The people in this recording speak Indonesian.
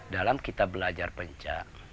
dalam kita belajar pencak